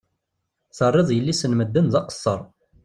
Terriḍ yelli-s n medden d aqessar.